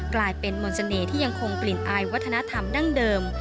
กลายเป็นมนต์เสน่ห์ที่ยังคงเปลี่ยนอายวัฒนธรรมดั้งเดิม